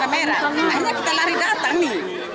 akhirnya kita lari datang nih